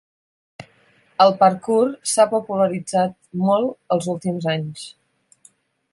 El ‘parkour’ s’ha popularitzat molt els últims anys.